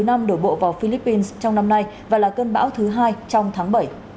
năm đổ bộ vào philippines trong năm nay và là cơn bão thứ hai trong tháng bảy